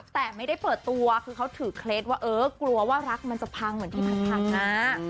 แต่ไม่ได้เปิดตัวคือเขาถือเคล็ดว่าเออกลัวว่ารักมันจะพังเหมือนที่ผ่านมา